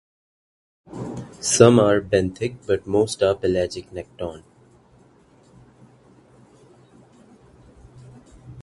Some are benthic, but most are pelagic nekton.